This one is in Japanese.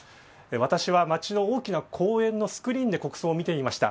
私は街の大きな公園のスクリーンで国葬を見ていました。